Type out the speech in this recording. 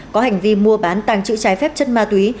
có hành vi mua bán tàng trữ trái phép chất ma túy